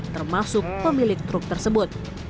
termasuk pemilik truk tersebut